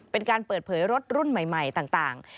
เป็นการเปิดเผยรถรุ่นใหม่ต่าง